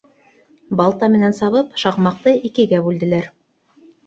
Балта менән сабып, шаҡмаҡты икегә бүлделәр.